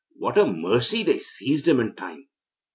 What a mercy they seized him in time!'